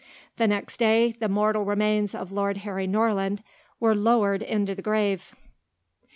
The next day the mortal remains of Lord Harry Norland were lowered into the grave.